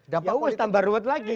ya ues tambah ruwet lagi